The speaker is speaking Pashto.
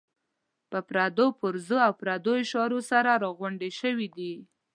په پردو پرزو او پردو اشارو سره راغونډې شوې دي.